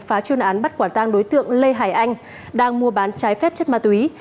phá chuyên án bắt quả tang đối tượng lê hải anh đang mua bán trái phép chất ma túy